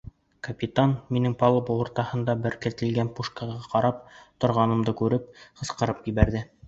Капитан, минең палуба уртаһына беркетелгән пушкаға ҡарап торғанымды күреп, ҡысҡырып ебәрҙе: